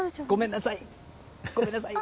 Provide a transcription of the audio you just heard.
ごめんなさい。